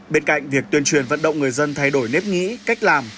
bên cạnh việc tuyên truyền vận động người dân thay đổi nếp nghĩ cách làm